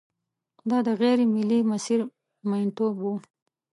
دا د غېر ملي مسیر میینتوب و.